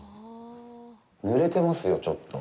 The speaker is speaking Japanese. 塗れてますよ、ちょっと。